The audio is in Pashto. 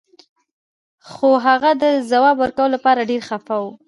خو هغه د ځواب ورکولو لپاره ډیر خفه و